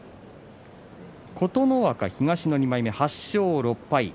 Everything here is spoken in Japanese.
琴ノ若東の２枚目８勝６敗